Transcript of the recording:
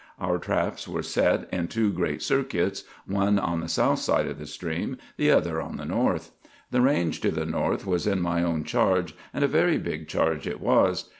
Our traps were set in two great circuits, one on the south side of the stream, the other on the north. The range to the north was in my own charge, and a very big charge it was.